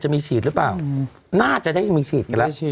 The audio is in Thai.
จะมีฉีดหรือเปล่าน่าจะได้มีฉีดกันแหละ